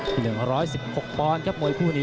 มวยคู่นี้๑๑๖ปอนด์ครับ